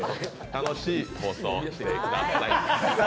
楽しい放送をしてください。